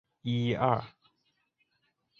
罗崇文退休后由李天柱接任其岗位。